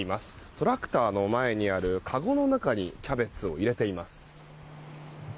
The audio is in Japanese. トラクターの前にあるかごの中にキャベツを入れています。